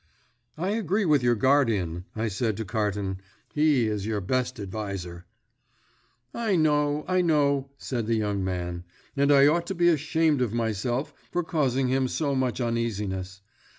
"I agree with your guardian," I said to Carton; "he is your best adviser." "I know, I know," said the young man, "and I ought to be ashamed of myself for causing him so much uneasiness.